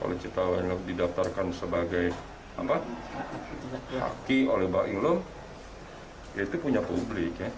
kalau cita m fashion week didaftarkan sebagai haki oleh baim lo ya itu punya publik ya